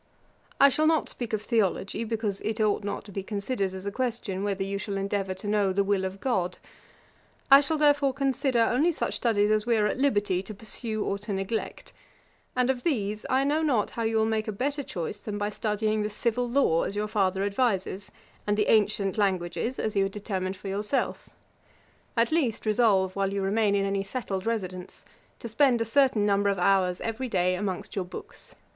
I shall not speak of theology, because it ought not to be considered as a question whether you shall endeavour to know the will of GOD. 'I shall, therefore, consider only such studies as we are at liberty to pursue or to neglect; and of these I know not how you will make a better choice, than by studying the civil law, as your father advises, and the ancient languages, as you had determined for yourself; at least resolve, while you remain in any settled residence, to spend a certain number of hours every day amongst your books.